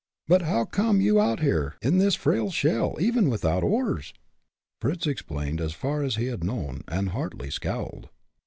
But how come you out here, in this frail shell, without even oars?" Fritz explained as far as he had known, and Hartly scowled.